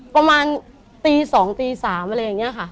ประมาณตี๒ตี๓อะไรอย่างนี้ค่ะ